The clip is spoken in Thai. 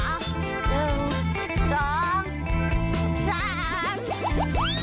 หนึ่งสอง